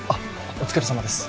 お疲れさまです